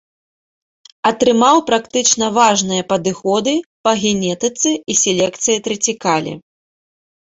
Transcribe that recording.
Атрымаў практычна важныя падыходы па генетыцы і селекцыі трыцікале.